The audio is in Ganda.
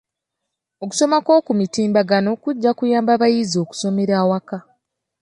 Okusoma kw'oku mutimbagano kujja kuyamba abayizi okusomera awaka.